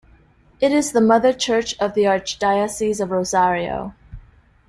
It is the mother church of the Archdiocese of Rosario.